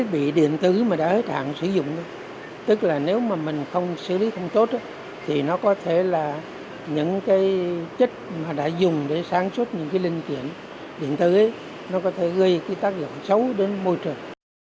bị điện tử mà đã hết trạng sử dụng tức là nếu mà mình không xử lý không tốt thì nó có thể là những cái chất mà đã dùng để sản xuất những cái linh kiện điện tử ấy nó có thể gây cái tác dụng xấu đến môi trường